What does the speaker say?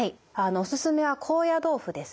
おすすめは高野豆腐ですね。